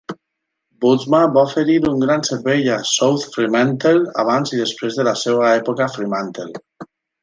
Bootsma va oferir un gran servei a South Fremantle abans i després de la seva època a Fremantle.